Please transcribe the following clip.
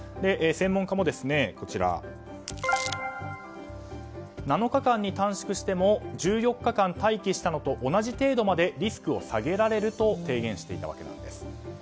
専門家も７日間に短縮しても１４日間待機したのと同じ程度までリスクが下げられると提言していたわけなんです。